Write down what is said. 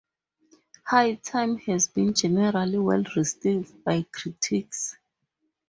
"High Time" has been generally well received by critics.